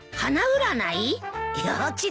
幼稚だな。